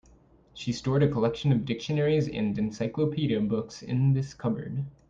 She stored a collection of dictionaries and encyclopedia books in this cupboard.